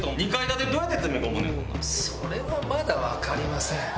それはまだ分かりません。